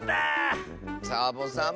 サボさん